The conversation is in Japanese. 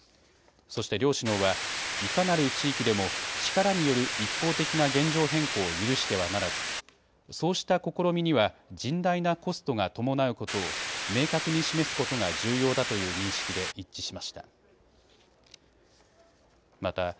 そして両首脳はいかなる地域でも力による一方的な現状変更を許してはならずそうした試みには甚大なコストが伴うことを明確に示すことが重要だという認識で一致しました。